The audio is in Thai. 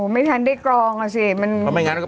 ไม่ทันได้กรองอ่ะสิ